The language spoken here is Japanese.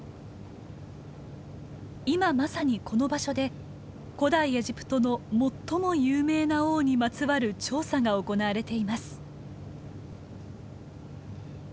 今まさにこの場所で古代エジプトの最も有名な王にまつわる調査が行われています。